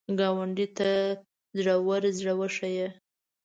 ګاونډي ته زړور زړه وښیه